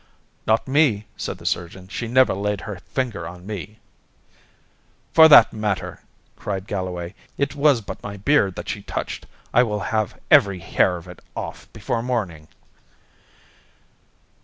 "Not me," said the surgeon; "she never laid her finger on me." "For that matter," cried Galloway, "it was but my beard that she touched. I will have every hair of it off before morning."